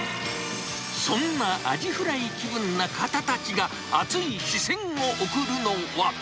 そんなアジフライ気分な方たちが、熱い視線を送るのは。